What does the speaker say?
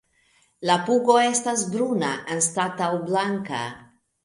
La pugo estas bruna anstataŭ blanka.